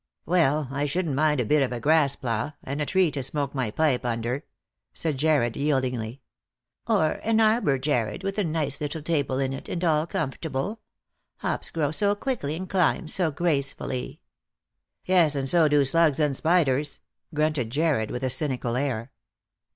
" Well, I shouldn't mind a bit of a grass plat, and a tree to smoke my pipe under," said Jarred yieldingly. " Or an arbour, Jarred, with a nice little table in it, and all comfortable. Hops grow so quickly, and climb so gracefully." " Yes, and so do slugs and spiders," grunted Jarred with a cynical air.